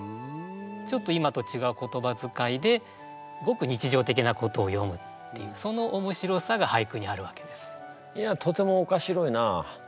ちょっと今とちがう言葉遣いでごく日常的なことを詠むっていうそのおもしろさが俳句にあるわけです。